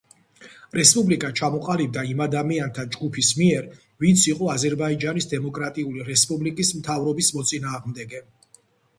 რესპუბლიკა ჩამოყალიბდა იმ ადამიანთა ჯგუფის მიერ ვინც იყო აზერბაიჯანის დემოკრატიული რესპუბლიკის მთავრობის მოწინააღმდეგე.